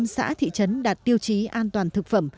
một trăm xã thị trấn đạt tiêu chí an toàn thực phẩm